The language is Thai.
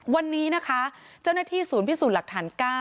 วันนี้นะคะเจ้าหน้าที่ศูนย์พิสูจน์หลักฐาน๙